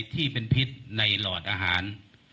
ที่เป็นพิษในหลอดอาหาร